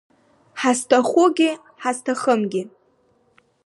Ҳазҭахугьы, ҳазҭахымгьы…